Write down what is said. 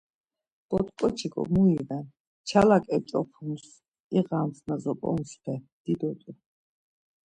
“Botk̆oçiko mu iyen? Ç̆alak eç̆opums iğams” na zoponspe didot̆t̆u.